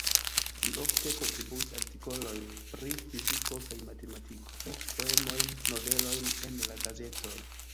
Li ofte kontribuis artikolojn pri fiziko kaj matematiko, eĉ poemojn, novelojn en la gazetoj.